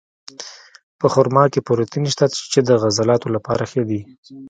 په خرما کې پروټین شته، چې د عضلاتو لپاره ښه دي.